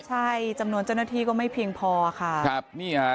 ใช่จำนวนเจ้าหน้าที่ก็ไม่เพียงพอค่ะครับนี่ฮะ